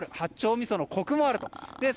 みそのコクもあります。